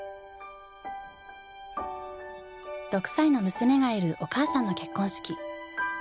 ６歳の娘がいるお母さんの結婚式。